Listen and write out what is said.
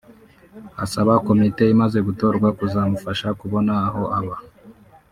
asaba komite imaze gutorwa kuzamufasha kubona aho aba